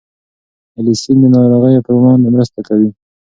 الیسین د ناروغیو پر وړاندې مرسته کوي.